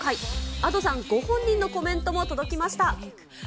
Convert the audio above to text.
Ａｄｏさんご本人のコメントも届きました。